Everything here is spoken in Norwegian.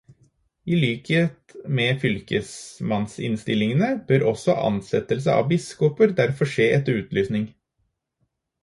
I likhet med fylkesmannsstillingene bør også ansettelse av biskoper derfor skje etter utlysing.